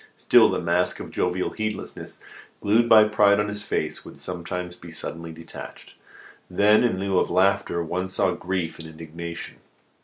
Still, the mask of jovial heedlessness glued by pride on his face would sometimes be suddenly detached. Then, in lieu of laughter, one saw grief and indignation.